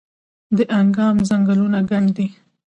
دانګام ځنګلونه ګڼ دي؟